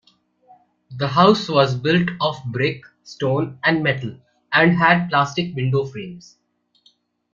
The house was built of brick, stone and metal, and had plastic window frames.